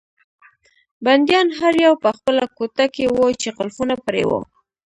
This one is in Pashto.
بندیان هر یو په خپله کوټه کې وو چې قلفونه پرې وو.